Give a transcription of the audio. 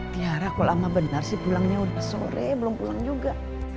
tiara kalau lama benar sih pulangnya udah sore belum pulang juga